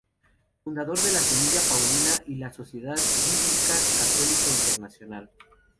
Fundador de la Familia Paulina y de la Sociedad Bíblica Católica Internacional.